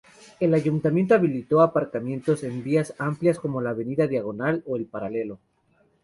El Ayuntamiento habilitó aparcamientos en vías amplias como la Avenida Diagonal o el Paralelo.